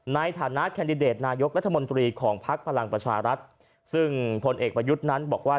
ในฐานะแคนดิเดตนายกรัฐมนตรีของภักดิ์พลังประชารัฐซึ่งพลเอกประยุทธ์นั้นบอกว่า